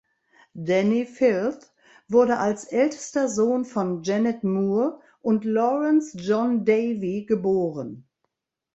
Dani Filth wurde als ältester Sohn von Janet Moore und Lawrence John Davey geboren.